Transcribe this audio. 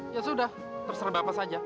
ya sudah terserah bapak saja